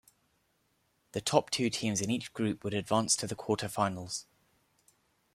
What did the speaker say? The top two teams in each group would advance to the quarterfinals.